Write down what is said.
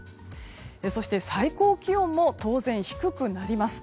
そして、最高気温も当然低くなります。